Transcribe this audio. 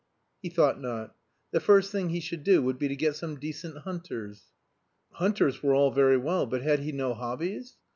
He thought not. The first thing he should do would be to get some decent hunters. Hunters were all very well, but had he no hobbies?